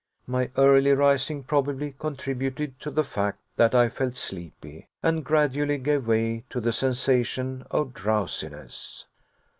My early rising probably contributed to the fact that I felt sleepy, and gradually gave way to the sensation of drowsiness.